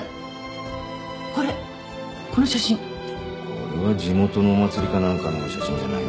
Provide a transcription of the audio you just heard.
これは地元のお祭りか何かの写真じゃないの？